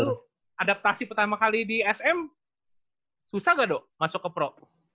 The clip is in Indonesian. lalu adaptasi pertama kali di sm susah gak do masuk ke pro